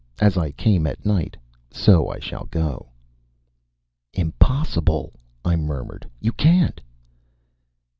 As I came at night so I shall go." "Impossible!" I murmured. "You can't."